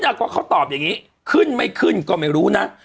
ขึ้นอะก็เขาตอบอย่างงี้ขึ้นไม่ขึ้นก็ไม่รู้น่ะอ้า